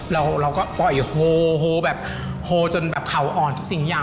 เราก็ปล่อยโฮโฮแบบโฮจนแบบเขาอ่อนทุกสิ่งอย่าง